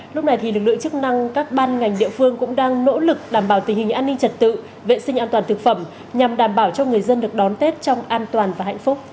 lúc này lực lượng chức năng các ban ngành địa phương cũng đang nỗ lực đảm bảo tình hình an ninh trật tự vệ sinh an toàn thực phẩm nhằm đảm bảo cho người dân được đón tết trong an toàn và hạnh phúc